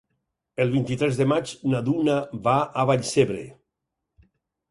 El vint-i-tres de maig na Duna va a Vallcebre.